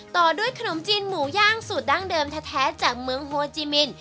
ต่อด้วยขนมจีนหมูย่างสูตรดั้งเดิมแท้จากเมืองโฮจิมิน